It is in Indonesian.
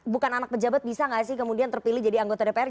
bukan anak pejabat bisa nggak sih kemudian terpilih jadi anggota dpr